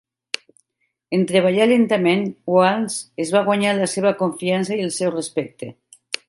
En treballar lentament, Walnes es va guanyar la seva confiança i el seu respecte.